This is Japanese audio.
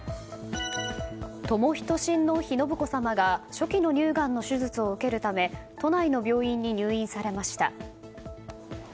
寛仁親王妃・信子さまが初期の乳がんの手術を受けるため都内の病院に入院されました。